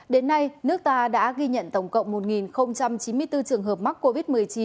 đến nay nước ta đã ghi nhận tổng cộng một chín mươi bốn trường hợp mắc covid một mươi chín